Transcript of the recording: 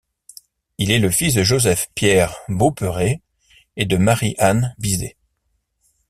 Il est le fils de Joseph-Pierre Beauperrey et de Marie-Anne Bizet.